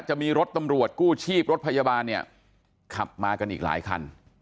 จะมีรถตำรวจกู้ชีพรถพยาบาลเนี่ยขับมากันอีกหลายคัน